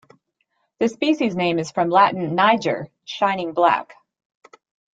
The species name is from Latin "niger" "shining black".